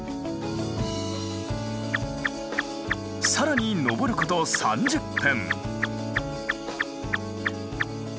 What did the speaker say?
更に登ること３０分。